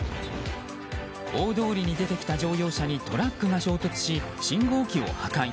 大通りに出てきた乗用車にトラックが衝突し信号機を破壊。